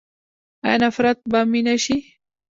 آیا نفرت به مینه شي؟